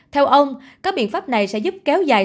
theo ông các biện pháp này sẽ giúp kéo dài